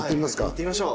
いってみましょう。